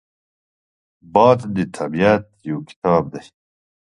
باد د طبیعت یو کتاب دی